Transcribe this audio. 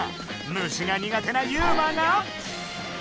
虫が苦手なユウマが！